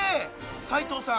齋藤さん？